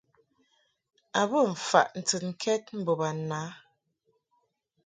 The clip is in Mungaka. A bə faʼ ntɨnkɛd mbo bana.